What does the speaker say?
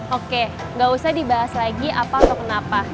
oke gak usah dibahas lagi apa atau kenapa